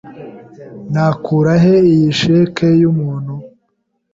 Nakura he iyi cheque yumuntu?